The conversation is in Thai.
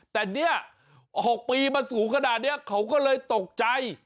แต่เนี่ย๖ปีมาสูงขนาดนี้เขาก็เลยตกใจ